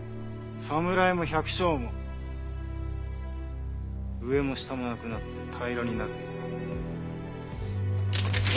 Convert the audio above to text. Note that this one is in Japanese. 侍も百姓も上も下もなくなって平らになるんだよ。